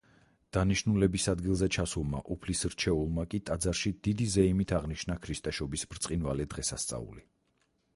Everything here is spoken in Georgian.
დანიშნულების ადგილზე ჩასულმა უფლის რჩეულმა კი ტაძარში დიდი ზეიმით აღნიშნა ქრისტეშობის ბრწყინვალე დღესასწაული.